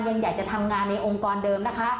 ยังอยากจะทำงานในองค์กรเดิมนะคะ